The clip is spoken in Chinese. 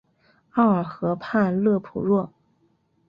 奥尔河畔勒普若。